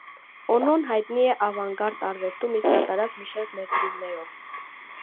Օնոն հայտնի է ավանգարդ արվեստում իր կատարած մի շարք ներդրումներերով։